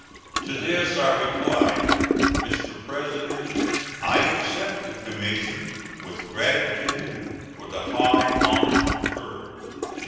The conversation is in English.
To this I replied: "Mr. President, I accept the commission, with gratitude for the high honor conferred.